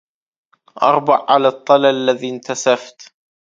اربع على الطلل الذي انتسفت